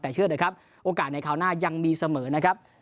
แต่เชื่อเถอะครับโอกาสในคราวหน้ายังมีเสมอนะครับ